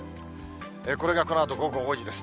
これがこのあと午後５時です。